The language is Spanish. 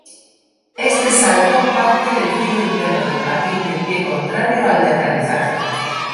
Este salto parte del filo interno del patín del pie contrario al de aterrizaje.